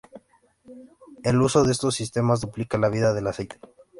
El uso de estos sistemas duplica la vida del aceite.